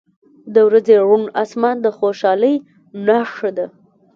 • د ورځې روڼ آسمان د خوشحالۍ نښه ده.